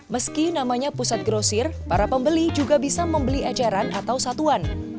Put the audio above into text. meski namanya pusat grosir para pembeli juga bisa membeli ajaran atau satuan